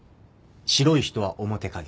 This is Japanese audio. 白い人は表稼業